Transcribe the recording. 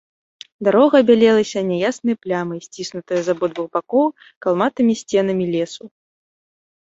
Дарога бялелася няяснай плямай, сціснутая з абодвух бакоў калматымі сценамі лесу.